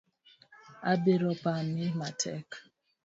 Abiro pami matek.